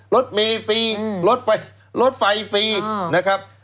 รถมีฟรีรถไฟฟรีนะครับ